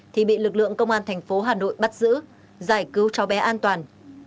thì bị lực lượng công an thành phố hà nội bắt giữ giải cứu cháu bé an toàn